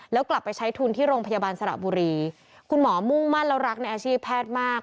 แล้วกลับไปใช้ทุนที่โรงพยาบาลสระบุรีคุณหมอมุ่งมั่นแล้วรักในอาชีพแพทย์มาก